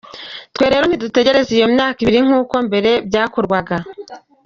Twebwe rero ntidutegereza iyo myaka ibiri nk’uko mbere byakorwaga.